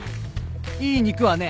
いい肉はね